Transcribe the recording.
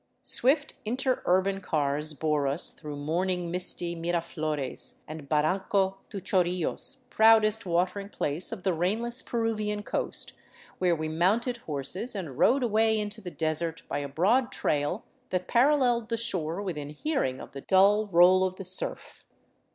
Swift interurban cars bore us through morning misty Miraflores and Barranco to Chorillos, proudest watering place of the rainless Peru vian coast, where we mounted horses and rode away into the desert by a broad trail that paralleled the shore within hearing of the dull roll 330 ROUND ABOUT THE PERUVIAN CAPITAL of the surf.